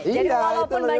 iya itu lebih bagus